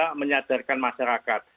bisa menyadarkan masyarakat